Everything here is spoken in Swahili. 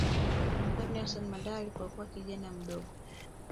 Wakati Nelson Mandela alipokuwa kijana mdogo